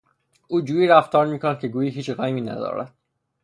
او جوری رفتار میکند که گویی هیچ غمی ندارد.